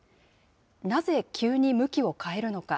なぜ、急に向きを変えるのか。